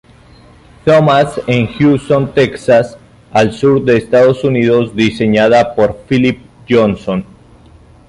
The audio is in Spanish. Thomas en Houston, Texas, al sur de Estados Unidos diseñada por Philip Johnson.